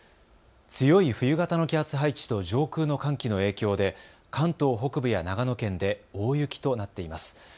強い冬型の気圧配置と上空の寒気の影響で関東北部や長野県で大雪となっています。